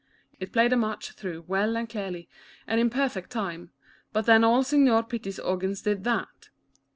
It played a march through well and clearly, and in perfect time, but then all Signor Pitti's organs did tJiaf.